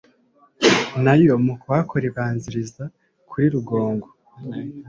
nayo mu kuhakora ibanziriza kuri rugongo